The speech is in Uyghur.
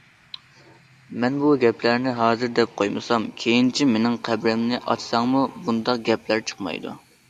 مەن بۇ گەپلەرنى ھازىر دەپ قويمىسام، كېيىنچە مېنىڭ قەبرەمنى ئاچساڭمۇ بۇنداق گەپلەر چىقمايدۇ.